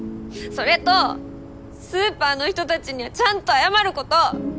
それとスーパーの人たちにちゃんと謝ること！